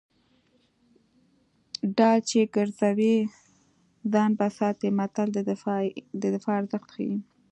ډال چې ګرځوي ځان به ساتي متل د دفاع ارزښت ښيي